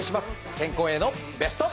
健康へのベスト。